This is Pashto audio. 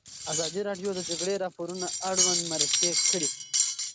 ازادي راډیو د د جګړې راپورونه اړوند مرکې کړي.